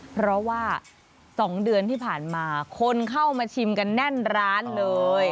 เพราะว่า๒เดือนที่ผ่านมาคนเข้ามาชิมกันแน่นร้านเลย